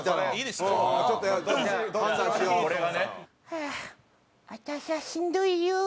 「はああたしゃしんどいよ」。